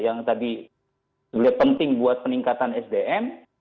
yang tadi sebenarnya penting buat peningkatan sdm